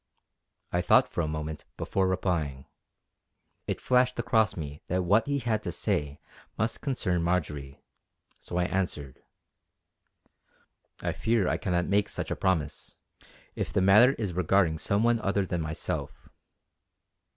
I thought for a moment before replying. It flashed across me that what he had to say must concern Marjory, so I answered: "I fear I cannot make such a promise, if the matter is regarding some one other than myself."